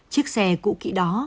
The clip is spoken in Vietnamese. chiếc xe cụ kỹ đó